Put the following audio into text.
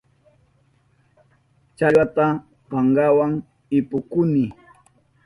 Challwata pankawa ipukuni.